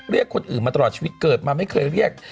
เรียกคนอื่นมาตลอดชีวิตเกิดมาไม่เคยเรียก